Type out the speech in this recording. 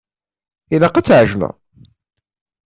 Ilaq ad tɛejleḍ.